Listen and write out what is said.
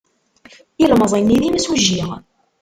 Ilemẓi-nni d imsujji.